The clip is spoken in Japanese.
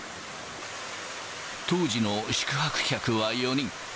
当時の宿泊客は４人。